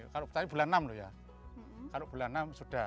kalau bulan enam sudah